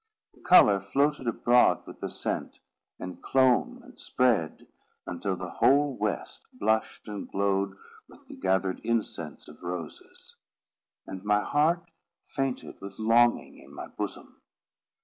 The colour floated abroad with the scent, and clomb, and spread, until the whole west blushed and glowed with the gathered incense of roses. And my heart fainted with longing in my bosom.